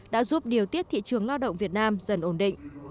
đã giúp điều tiết thị trường lao động việt nam dần ổn định